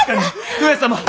上様！